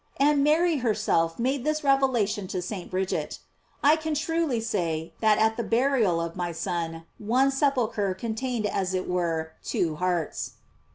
* And Mary herself made this revelation to St, Bridget: "I can truly say, that at the burial of my Son, one sepulchre contained as it were two hearts."